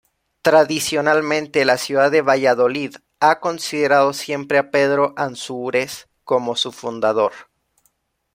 Tradicionalmente la ciudad de Valladolid ha considerado siempre a Pedro Ansúrez como su fundador.